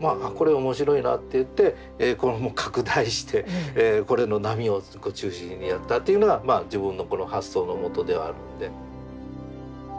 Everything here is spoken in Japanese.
これ面白いなっていって拡大してこれの波を中心にやったというのが自分のこの発想のもとではあるんで。